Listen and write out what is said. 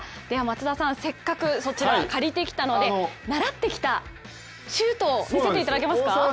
では松田さん、せっかく借りてきたので習ってきたシュートを見せていただけますか？